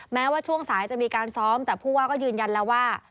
แม้ว่าช่วงสายจะมีการซ้อมแต่ผู้ว่าก็ยืนยันแล้วว่า